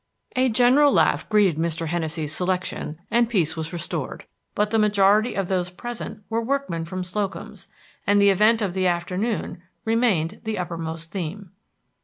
A general laugh greeted Mr. Hennessey's selection, and peace was restored; but the majority of those present were workmen from Slocum's, and the event of the afternoon remained the uppermost theme.